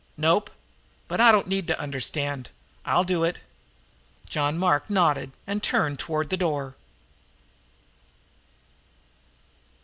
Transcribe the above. "Nope, but I don't need to understand. I'll do it." John Mark nodded and turned toward the door.